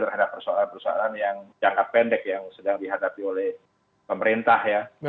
terhadap persoalan persoalan yang jangka pendek yang sedang dihadapi oleh pemerintah ya